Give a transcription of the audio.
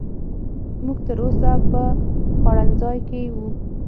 موږ تر اوسه په خوړنځای کې وو.